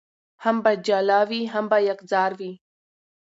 هم به جاله وي هم یکه زار وي